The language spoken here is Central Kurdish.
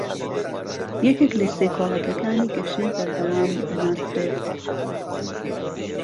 یەکێک لە سێ کۆڵەکەکانی گەشەی بەردەوام دەناسرێت